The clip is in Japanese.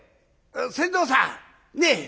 船頭さんねえ！